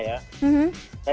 saya mau bertanya ya